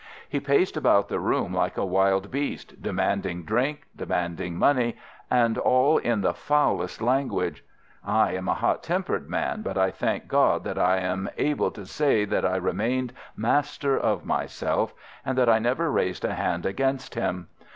He paced about the room like a wild beast, demanding drink, demanding money, and all in the foulest language. I am a hot tempered man, but I thank God that I am able to say that I remained master of myself, and that I never raised a hand against him.